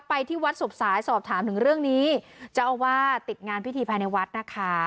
ที่วัดศพสายสอบถามถึงเรื่องนี้เจ้าอาวาสติดงานพิธีภายในวัดนะคะ